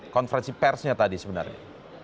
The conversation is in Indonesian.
konferensi persnya tadi sebenarnya